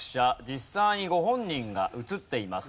実際にご本人が写っています。